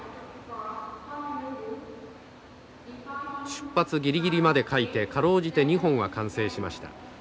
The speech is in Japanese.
出発ギリギリまで描いてかろうじて２本は完成しました。